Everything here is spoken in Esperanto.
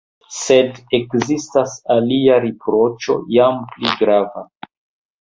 Sed ekzistas alia riproĉo, jam pli grava.